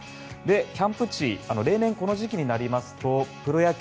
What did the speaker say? キャンプ地例年、この時期になりますとプロ野球